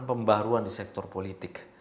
pembaruan di sektor politik